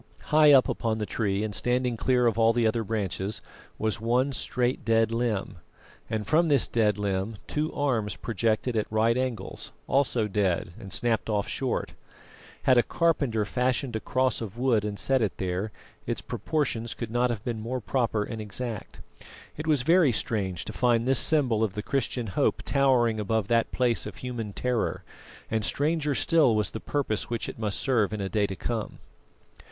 High up upon the tree, and standing clear of all the other branches, was one straight, dead limb, and from this dead limb two arms projected at right angles, also dead and snapped off short. Had a carpenter fashioned a cross of wood and set it there, its proportions could not have been more proper and exact. It was very strange to find this symbol of the Christian hope towering above that place of human terror, and stranger still was the purpose which it must serve in a day to come.